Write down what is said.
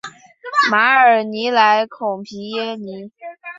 马尔尼莱孔皮耶尼。